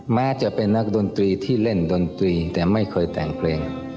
แม้จะเป็นนักดนตรีที่เล่นดนตรีแต่ไม่เคยแต่งเพลง